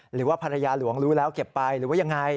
หรือว่าภรรยาหลวงรู้แล้วเก็บไปหรือว่ายังไง